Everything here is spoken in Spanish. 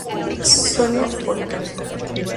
Solo o en pareja.